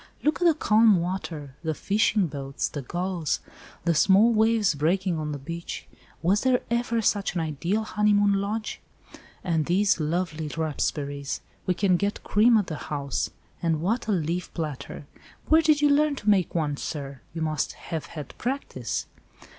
"Look at the calm water—the fishing boats, the gulls, the small waves breaking on the beach! Was there ever such an ideal honeymoon lodge? And these lovely raspberries. We can get cream at the house. And what a leaf platter! Where did you learn to make one, sir? you must have had practice."